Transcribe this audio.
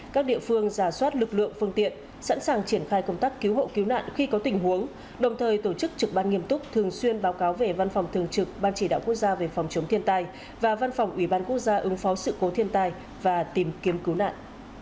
các địa phương giả soát lực lượng phương tiện sẵn sàng triển khai công tác cứu hộ cứu nạn khi có tình huống đồng thời tổ chức trực ban nghiêm túc thường xuyên báo cáo về văn phòng thường trực ban chỉ đạo quốc gia về phòng chống thiên tai và văn phòng ủy ban quốc gia ứng phó sự cố thiên tai và tìm kiếm cứu nạn